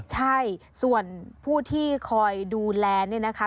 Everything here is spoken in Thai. ใช่ส่วนผู้ที่คอยดูแลเนี่ยนะคะ